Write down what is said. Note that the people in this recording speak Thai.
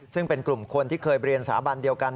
ซึ่งเป็นกลุ่มคนที่เคยเรียนสถาบันเดียวกัน